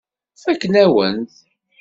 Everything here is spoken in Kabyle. Fakken-awen-t.